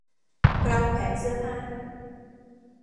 ราวแขวนเสื้อผ้า